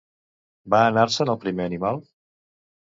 Va anar-se'n el primer animal?